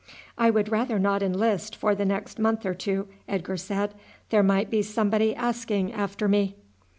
"I would rather not enlist for the next month or two," Edgar said; "there might be somebody asking after me."